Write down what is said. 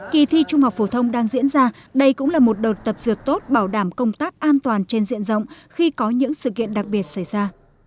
kỳ thi trung học phổ thông đang diễn ra đây cũng là một đợt tập dược tốt bảo đảm công tác an toàn trên diện rộng khi có những sự kiện đặc biệt xảy ra